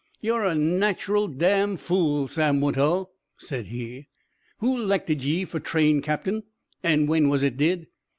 "Ye're a nacherl damned fool, Sam Woodhull," said he. "Who 'lected ye fer train captain, an' when was it did?